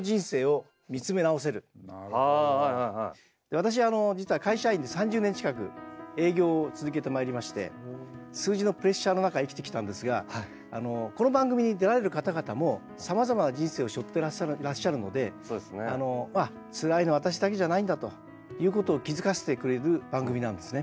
私実は会社員で３０年近く営業を続けてまいりまして数字のプレッシャーの中生きてきたんですがこの番組に出られる方々もさまざまな人生をしょってらっしゃるのでつらいのは私だけじゃないんだということを気付かせてくれる番組なんですね。